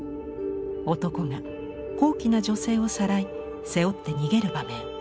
男が高貴な女性をさらい背負って逃げる場面。